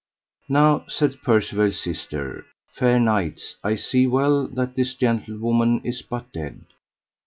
Now, said Percivale's sister, fair knights, I see well that this gentlewoman is but dead.